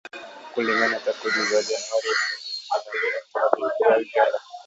Kulingana na takwimu za Januari elfu mbili ishirini na mbili kutoka Benki Kuu ya Uganda